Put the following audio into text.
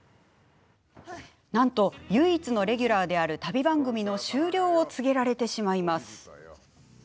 なんと、唯一のレギュラーである旅番組の終了を告げられてしまいます。